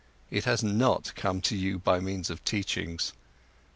It has not come to you by means of teachings!